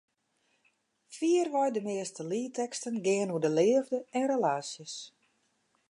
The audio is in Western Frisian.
Fierwei de measte lietteksten geane oer de leafde en relaasjes.